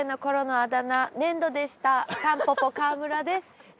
たんぽぽ川村です。